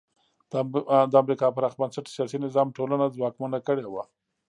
د امریکا پراخ بنسټه سیاسي نظام ټولنه ځواکمنه کړې وه.